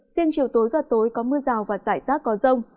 riêng chiều tối và tối có mưa rào và rải rác có rông